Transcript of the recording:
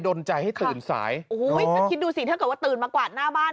ดนใจให้ตื่นสายคิดดูสิถ้าเกิดว่าตื่นมากวาดหน้าบ้าน